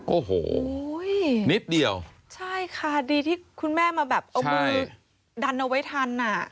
โอ้โหนิดเดียวใช่ค่ะดีที่คุณแม่มาแบบเอามือดันเอาไว้ทันอ่ะ